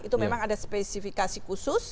itu memang ada spesifikasi khusus